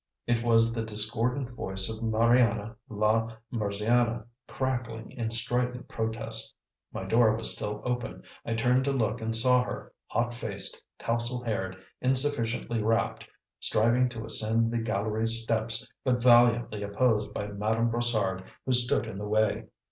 It was the discordant voice of Mariana la Mursiana, crackling in strident protest. My door was still open; I turned to look and saw her, hot faced, tousle haired, insufficiently wrapped, striving to ascend the gallery steps, but valiantly opposed by Madame Brossard, who stood in the way.